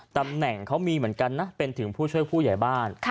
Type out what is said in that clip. ตำแหน่งเขามีเหมือนกันนะเป็นถึงผู้ช่วยผู้ใหญ่บ้าน